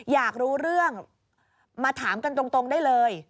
อยากรู้เรื่องมาถามกันตรงได้เลย